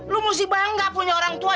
lu mesti bangga punya orang tua